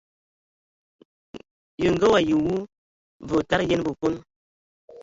Ye ngə wayi wu, və otam yən bəkon.